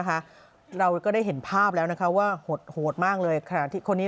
เราก็ได้เห็นภาพแล้วนะคะว่าหดโหดมากเลยขณะที่คนนี้